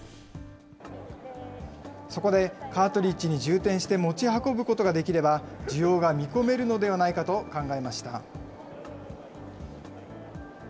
そこでカートリッジに充填して持ち運ぶことができれば、需要が見込めるのではないかと考えました。